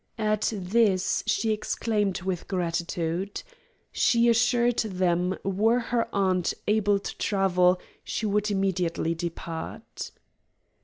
At this she exclaimed with gratitude. She assured them, were her aunt able to travel, she would immediately depart.